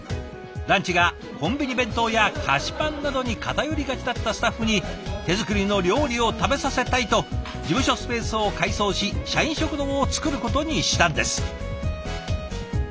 ランチがコンビニ弁当や菓子パンなどに偏りがちだったスタッフに「手作りの料理を食べさせたい！」と事務所スペースを改装し社員食堂を作ることにしたんです。